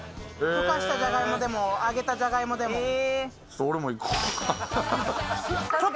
ふかしたじゃがいもでも揚げたじゃがいもです。